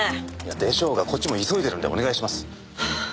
でしょうがこっちも急いでるんでお願いします。